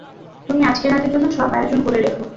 তুমি আজকে রাতের জন্য সব আয়োজন করে রেখো।